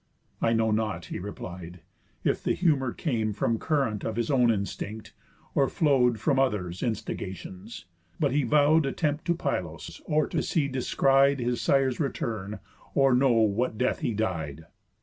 "I know not," he replied, "if th' humour came From current of his own instinct, or flow'd From others' instigations; but he vow'd Attempt to Pylos, or to see descried His sire's return, or know what death he died."